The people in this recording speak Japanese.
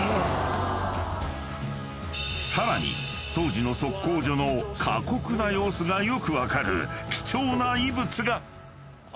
［さらに当時の測候所の過酷な様子がよく分かる貴重な遺物が！］